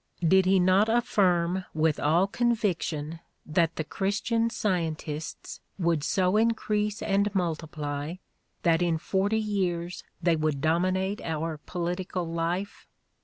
Did he not afSrm with all conviction that the Christian Scientists would so increase and multiply that in forty years they would dominate our political life?